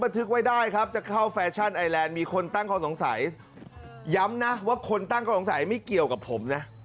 ตั้งข้อสงสัยย้ำนะว่าคนตั้งข้อสงสัยไม่เกี่ยวกับผมนะ